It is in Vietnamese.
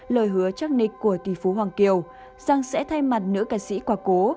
lời hứa chắc nịch của kỳ phú hoàng kiều rằng sẽ thay mặt nữ ca sĩ quả cố